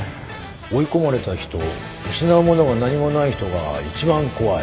追い込まれた人失うものが何もない人が一番怖い。